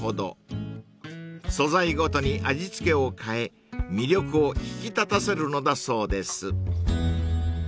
［素材ごとに味付けを変え魅力を引き立たせるのだそうです］